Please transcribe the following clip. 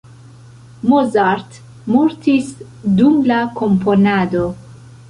Mozart mortis dum la komponado.